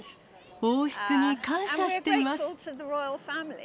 王室に感謝しています。